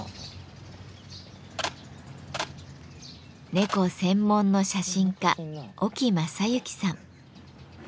猫専門の写真家沖昌之さん。